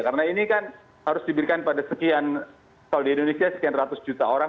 karena ini kan harus diberikan pada sekian kalau di indonesia sekian ratus juta orang